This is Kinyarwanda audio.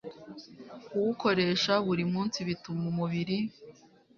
Kuwukoresha buri munsi bituma umubiri